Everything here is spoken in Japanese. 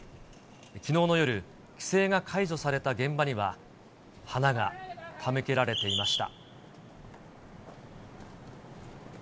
きのうの夜、規制が解除された現場には、花が手向けられていました。